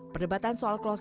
perdebatan soal kloset jongkok